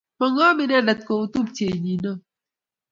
mangoom inendet kuu tupchenyi neoo